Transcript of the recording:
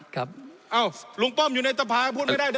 ครับอ้าวลุงป้อมอยู่ในสภาพูดไม่ได้ได้ยังไง